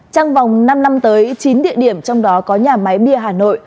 trong vòng năm năm tới chín địa điểm trong đó có nhà máy bia hà nội